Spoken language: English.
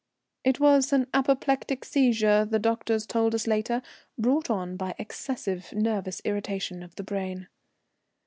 It was an apoplectic seizure, the doctors told us later, brought on by excessive nervous irritation of the brain.